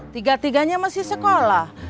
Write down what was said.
tiga tiganya masih sekolah